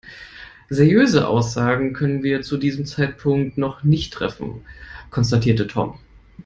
Seriöse Aussagen können wir zu diesem Zeitpunkt noch nicht treffen, konstatierte Tom.